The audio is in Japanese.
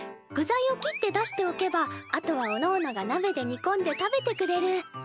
具材を切って出しておけばあとはおのおのがなべでにこんで食べてくれる。